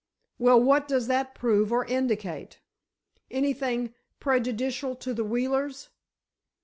"Well, what does that prove or indicate? Anything prejudicial to the Wheelers?"